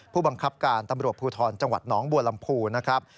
ผู้บังคับการตำรวจภูทรจังหวัดหนองบัวลำพูนะครับ